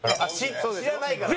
知らないからね。